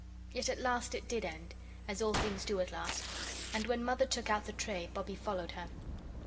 Yet at last it did end, as all things do at last, and when Mother took out the tray, Bobbie followed her.